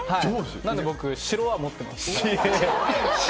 なので僕、城は持ってます。